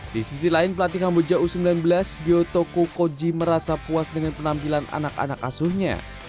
di sisi lain pelatih kamboja u sembilan belas gyo toko koji merasa puas dengan penampilan anak anak asuhnya